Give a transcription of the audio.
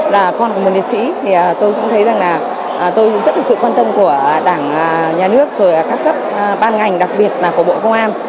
và con của một liệt sĩ thì tôi cũng thấy rằng là tôi rất được sự quan tâm của đảng nhà nước rồi các cấp ban ngành đặc biệt là của bộ công an